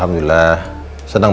kamu serius begini